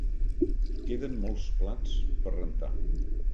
Queden molts plats per rentar.